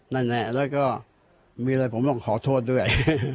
และมีล่ะผมต้องขอโทษด้วย